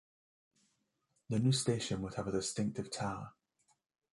The new station would have a distinctive tower.